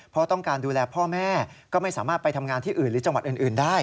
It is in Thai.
เพราะต้องการดูแลพ่อแม่ก็ไม่สามารถไปทำงานที่อื่นหรือจังหวัดอื่นได้